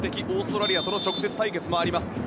オーストラリアとの直接対決もあります。